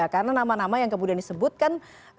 karena nama nama yang kemudian disebut kan